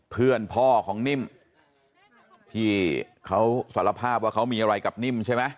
เพื่อนพ่อของนิ่มที่เขาสารภาพว่าเขามีอะไรกับนิ่มใช่ไหม